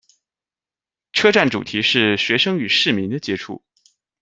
车站主题是「学生与市民的接触」。